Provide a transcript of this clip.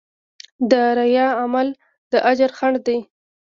د ریا عمل د اجر خنډ دی.